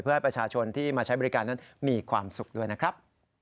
เพื่อให้ประชาชนที่มาใช้บริการนั้นมีความสุขด้วยนะครับ